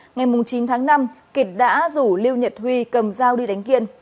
ngày chín tháng năm kiệt đã rủ lưu nhật huy cầm dao đi đánh kiên